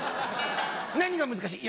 「何が難しい？」